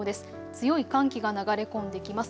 強い寒気が流れ込んできます。